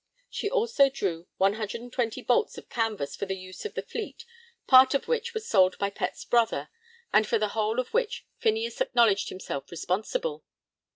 She also drew 120 bolts of canvas for the use of the fleet, part of which was sold by Pett's brother, and for the whole of which Phineas acknowledged himself responsible.